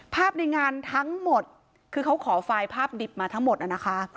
ในงานทั้งหมดคือเขาขอไฟล์ภาพดิบมาทั้งหมดนะคะ